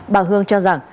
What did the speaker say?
bà hương cho rằng